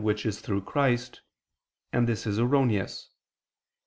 27] which is through Christ; and this is erroneous.